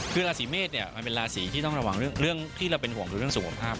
คือราศีเมษเนี่ยมันเป็นราศีที่ต้องระวังเรื่องที่เราเป็นห่วงคือเรื่องสุขภาพ